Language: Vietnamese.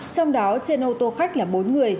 trong đó trên ô tô khách là bốn người